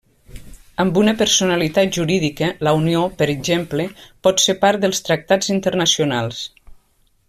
Amb una personalitat jurídica, la Unió, per exemple, pot ser part dels tractats internacionals.